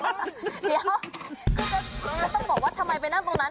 เดี๋ยวต้องบอกว่าทำไมไปนั่งตรงนั้น